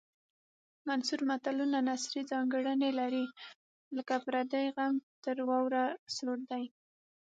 منثور متلونه نثري ځانګړنې لري لکه پردی غم تر واورو سوړ دی